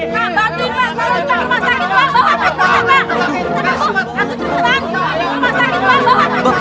bawa ke rumah sakit bawa ke rumah sakit